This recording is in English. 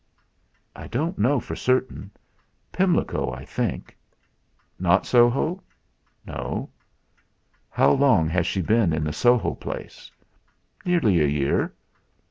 "I don't know for certain. Pimlico, I think." "Not Soho?" "No." "How long has she been at the Soho place?" "Nearly a year."